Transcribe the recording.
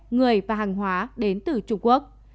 người và hàng hóa đến từ trung quốc